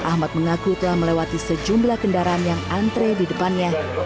ahmad mengaku telah melewati sejumlah kendaraan yang antre di depannya